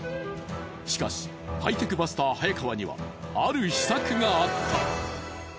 しかしハイテクバスター早川にはある秘策があった！